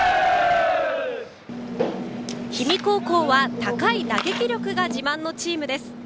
氷見高校は高い打撃力が自慢のチームです。